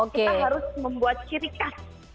kita harus membuat ciri khas